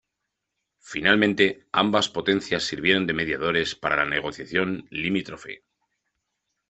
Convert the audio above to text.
Finalmente, ambas potencias sirvieron de mediadores para la negociación limítrofe.